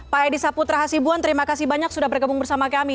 pak edi saputra hasibuan terima kasih banyak sudah bergabung bersama kami